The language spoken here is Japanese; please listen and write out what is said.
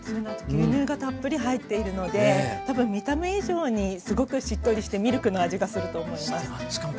牛乳がたっぷり入っているので多分見た目以上にすごくしっとりしてミルクの味がすると思います。